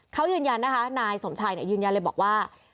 เขายืนยันนะคะนายสมชายยืนยันเลยบอกว่า